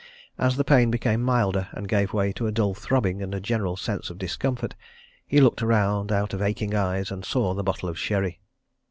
As the pain became milder and gave way to a dull throbbing and a general sense of discomfort, he looked round out of aching eyes and saw the bottle of sherry.